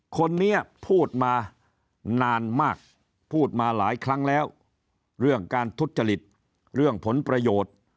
คนนี้พูดมานานมากพูดมาหลายครั้งแล้วเรื่องการทุจริตเรื่องผลประโยชน์